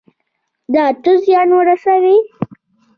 ده ته زيان ورسوي.